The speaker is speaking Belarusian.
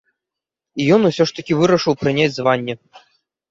І ён усё ж такі вырашыў прыняць званне.